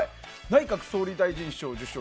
内閣総理大臣賞受賞。